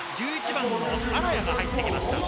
１１番の荒谷が入ってきました。